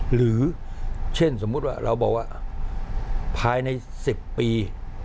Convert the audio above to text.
หรือเช่นสมมุติว่าเราบอกว่าภายใน๑๐ปี